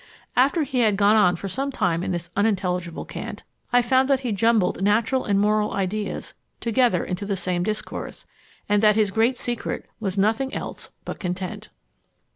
After he had gone on for some time in this unintelligible cant, I found that he jumbled natural and moral ideas together into the same discourse, and that his great secret was nothing else but content."